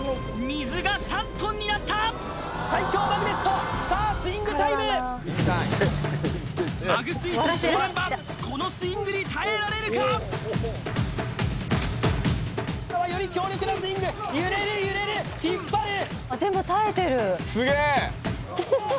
水が３ｔになった最強マグネットさあスイングタイムマグスイッチ正念場このスイングに耐えられるか？より強力なスイング揺れる揺れる引っ張るでも耐えてるすげえ！